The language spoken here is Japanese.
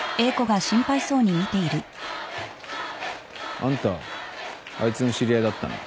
あんたあいつの知り合いだったな。